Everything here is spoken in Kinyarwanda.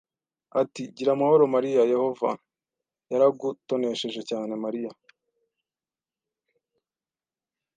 ati gira amahoro Mariya Yehova yaragutonesheje cyane Mariya